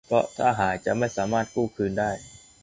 เพราะถ้าหายจะไม่สามารถกู้คืนได้